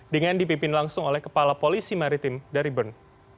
dengan dipimpin langsung oleh kepala polisi maritim dari bern